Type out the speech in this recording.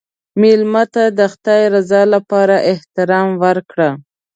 مېلمه ته د خدای رضا لپاره احترام ورکړه.